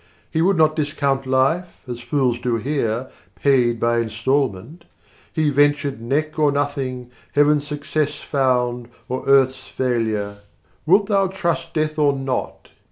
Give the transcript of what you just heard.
He would not discount life, as fools do here, Paid by instalment. He ventured neck or nothing heaven's success Found, or earth's failure: 110 "Wilt thou trust death or not?"